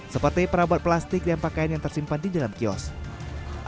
seperti perabot plastik dan pakaian yang tersimpan di dalam kiosk